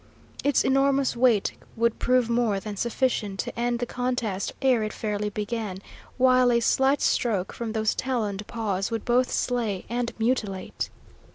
Its enormous weight would prove more than sufficient to end the contest ere it fairly began, while a slight stroke from those taloned paws would both slay and mutilate.